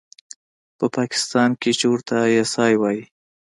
په پاکستان کښې چې ورته آى اس آى وايي.